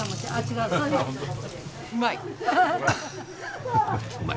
うまい！